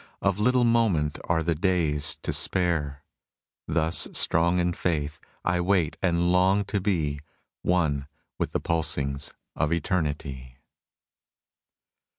Of little moment are the days to spare. Thus strong in faith I wait and long to be One with the pulsings of Eternity.